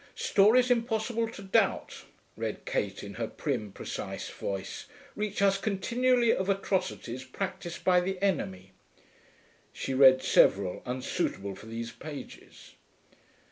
'Stories impossible to doubt,' read Kate, in her prim, precise voice, 'reach us continually of atrocities practised by the enemy....' She read several, unsuitable for these pages.